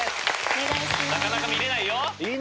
なかなか見れないよ。